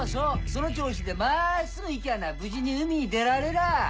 その調子で真っすぐ行きゃあ無事に海に出られらぁ。